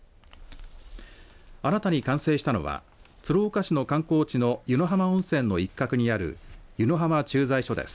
新たに完成したのは鶴岡市の観光地の湯野浜温泉の一角にある湯野浜駐在所です。